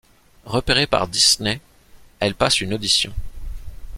Repéré par Disney, elle passe une audition.